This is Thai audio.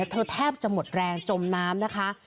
แทบจะหมดแรงจมน้ำนะคะ